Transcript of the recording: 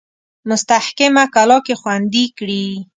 مستحکمه کلا کې خوندې کړي.